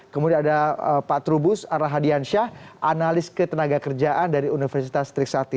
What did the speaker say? kemudian ada pak trubus arhadiansyah analis ketenaga kerjaan dari universitas trisakti